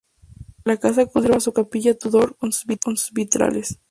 La casa conserva su capilla Tudor, con sus vitrales.